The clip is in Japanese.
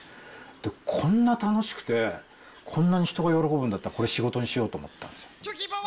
こんな楽しくて、こんなに人が喜ぶんだったらこれ仕事にしようと思ったんですよ。